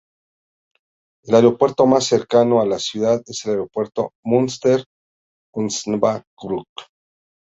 El aeropuerto más cercano a la ciudad es el Aeropuerto Münster-Osnabrück.